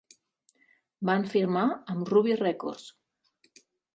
Van firmar amb Ruby Records.